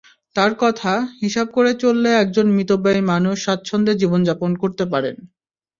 তার কথা, হিসাব করে চললে একজন মিতব্যয়ী মানুষ স্বাচ্ছন্দ্যে জীবনযাপন করতে পারেন।